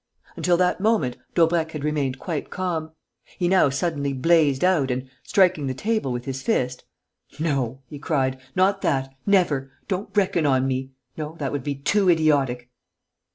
Until that moment Daubrecq had remained quite calm. He now suddenly blazed out and, striking the table with his fist: "No," he cried, "not that! Never! Don't reckon on me!... No, that would be too idiotic!"